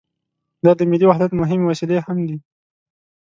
دا د ملي وحدت مهمې وسیلې هم دي.